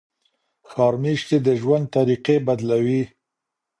ښار میشتي د ژوند طریقې بدلوي.